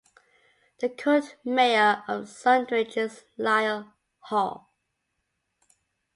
The current mayor of Sundridge is Lyle Hall.